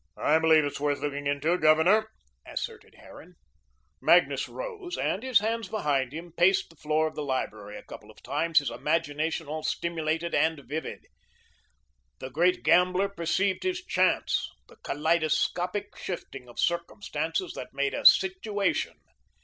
"I believe it's worth looking into, Governor," asserted Harran. Magnus rose, and, his hands behind him, paced the floor of the library a couple of times, his imagination all stimulated and vivid. The great gambler perceived his Chance, the kaleidoscopic shifting of circumstances that made a Situation.